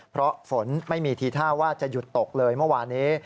เพราะฝนไม่มีทีท่าว่าจะหยุดตกเลยเมื่อวานี้